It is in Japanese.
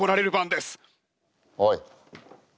おい。